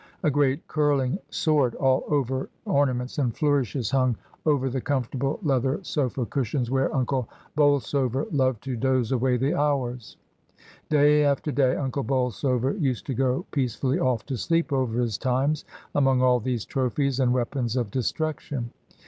A great curl ing sword, all over ornaments and flourishes, hung ABOUT PHRAISIE. 279 over the comfortable leather sofa cushions, where Uncle Bolsover loved to doze away the hours. Day after day. Unde Bolsover used to go peace fsiUy off to sleep over his TiineSy among all these trophies and weapons of destruction.